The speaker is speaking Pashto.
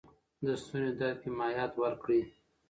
د ستوني درد کې مایعات ورکړئ.